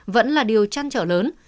vẫn là điều chăn trở lớn